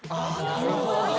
なるほど。